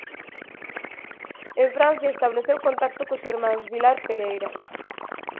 En Francia estableceu contacto cos irmáns Vilar Pereira.